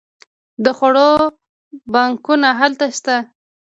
د خوړو بانکونه هلته شته.